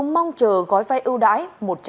mong chờ gói vai ưu đãi